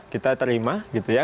kita terima gitu ya